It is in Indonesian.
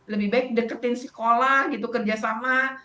lebih baik deketin sekolah gitu kerjasama